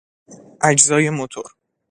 اجزای موتور